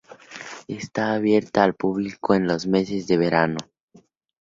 Está abierta al público en los meses de verano.